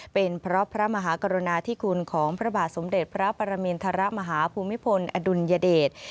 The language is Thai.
เป็นเพราะพระมหากรุณาธิคุณของพระบาทสมเด็จพระปรมินทรมาฮภูมิพลอดุลยเดช